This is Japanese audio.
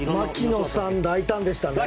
槙野さん、大胆でしたね。